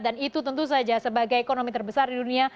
dan itu tentu saja sebagai ekonomi terbesar di dunia